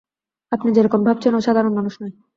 আপনি যেরকম ভাবছেন ও সাধারণ মানুষ নয়।